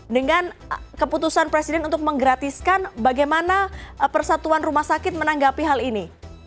dengan keputusan presiden untuk menggratiskan bagaimana persatuan rumah sakit menanggapi hal ini